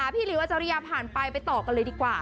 พี่หลิวอาจารยาผ่านไปไปต่อกันเลยดีกว่า